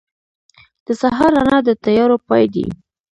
• د سهار رڼا د تیارو پای دی.